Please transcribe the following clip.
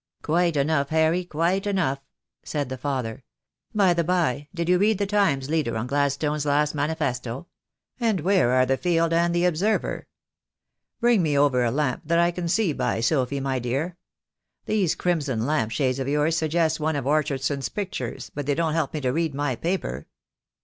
"Quite enough, Harry, quite enough," said the father. "By the by, did you read the Times leader on Gladstone's last manifesto? And where are the Field and the Observer? Bring me over a lamp that I can see by, Sophy, my dear. Those crimson lamp shades of yours suggest one of Orchardson's pictures, but they don't help me to read my paper."